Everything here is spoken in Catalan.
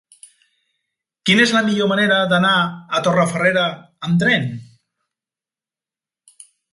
Quina és la millor manera d'anar a Torrefarrera amb tren?